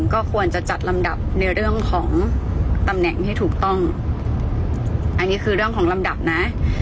ก็ควรจะจัดลำดับในเรื่องของตำแหน่งให้ถูกต้องอันนี้คือเรื่องของลำดับนะ